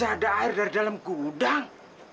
ada air dari dalam gudang